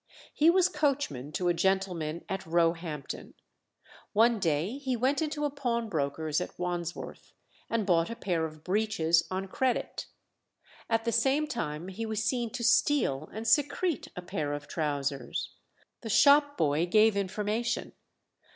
He was coachman to a gentleman at Roehampton. One day he went into a pawnbroker's at Wandsworth, and bought a pair of breeches on credit. At the same time he was seen to steal and secrete a pair of trousers. The shop boy gave information.